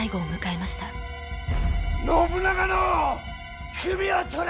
信長の首を取れ！